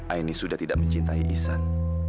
aini sudah tidak mencintai isan